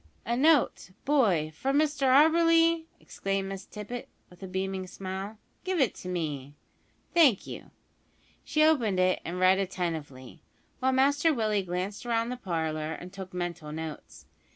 "A note, boy, from Mr Auberly?" exclaimed Miss Tippet, with a beaming smile; "give it me thank you." She opened it and read attentively, while Master Willie glanced round the parlour and took mental notes.